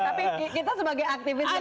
tapi kita sebagai aktivis di selang